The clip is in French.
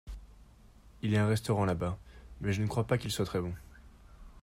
Il y a un restaurant là-bas, mais je ne crois pas qu'il soit très bon.